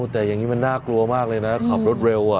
แต่อย่างนี้มันน่ากลัวมากเลยนะขับรถเร็ว